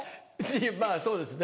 まぁそうですね。